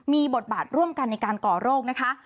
มีบทบาทร่วมกันในการก่อโรคนะคะ